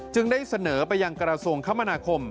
ได้เสนอไปยังกระทรวงคมนาคม